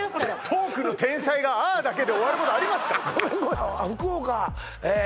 トークの天才が「あー」だけで終わることありますかごめんごめん福岡えー